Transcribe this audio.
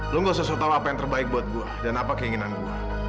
lo gak usah sotau apa yang terbaik buat gue dan apa keinginan gue